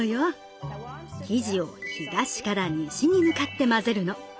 生地を東から西に向かって混ぜるの。